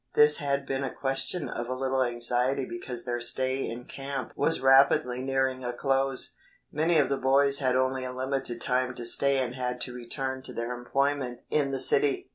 This had been a question of a little anxiety because their stay in camp was rapidly nearing a close. Many of the boys had only a limited time to stay and had to return to their employment in the city.